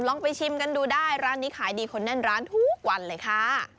ลองไปชิมกันดูได้ร้านนี้ขายดีคนแน่นร้านทุกวันเลยค่ะ